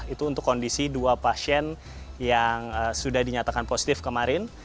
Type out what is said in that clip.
itu untuk kondisi dua pasien yang sudah dinyatakan positif kemarin